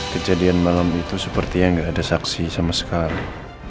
kejadian malam itu seperti yang gak ada saksi sama sekali